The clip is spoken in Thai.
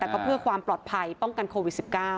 แต่ก็เพื่อความปลอดภัยป้องกันโควิด๑๙